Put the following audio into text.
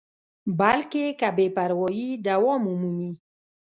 بلکې که بې پروایي دوام ومومي.